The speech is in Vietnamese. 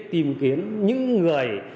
tìm kiến những người